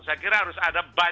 saya kira harus ada